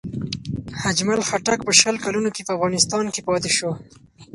اجمل خټک په شل کلونو کې په افغانستان کې پاتې شو.